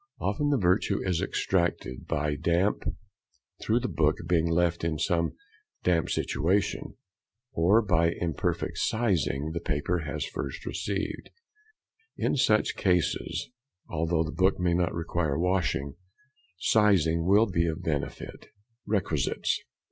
Often the virtue is extracted by damp, through the book being left in some damp situation, or by imperfect sizing the paper has first received; in such cases, although the book may not require washing, sizing will be of benefit. _Requisites.